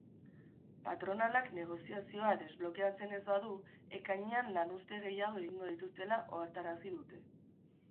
Patronalak negoziazioa desblokeatzen ez badu, ekainean lanuzte gehiago egingo dituztela ohartarazi dute.